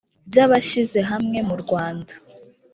by abishyize hamwe mu rwanda